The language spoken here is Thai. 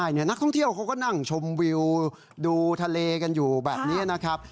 นักท่องเที่ยวเขาก็นั่งชมวิวดูทะเลกันอยู่แบบนี้นะครับ